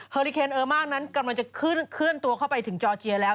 อริเคนเออร์มากนั้นกำลังจะเคลื่อนตัวเข้าไปถึงจอร์เจียแล้ว